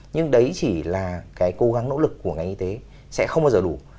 nhưng đấy chỉ là cái cố gắng nỗ lực của ngành y tế sẽ không bao giờ đủ